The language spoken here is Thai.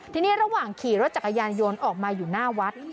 ทีนี้ระหว่างขี่รถจักรยานยนต์ออกมาอยู่หน้าวัด